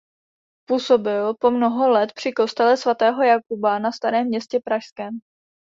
Působil po mnoho let při kostele svatého Jakuba na Starém Městě pražském.